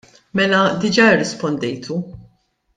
Mela diġà rrispondejtu.